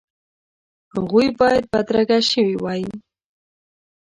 هغوی باید بدرګه شوي وای.